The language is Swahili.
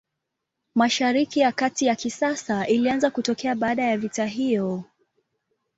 Mashariki ya Kati ya kisasa ilianza kutokea baada ya vita hiyo.